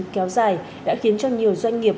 kéo dài đã khiến cho nhiều doanh nghiệp